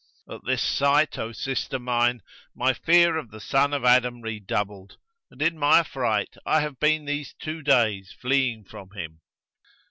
At this sight, O sister mine, my fear of the son of Adam redoubled and in my affright I have been these two days fleeing from him."